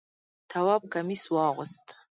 تواب کمیس واغوست.